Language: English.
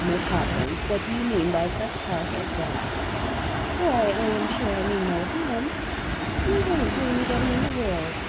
"Miss Hawkins, what do you mean by such talk as that?" "Why I am sure I mean no harm no harm to anybody in the world.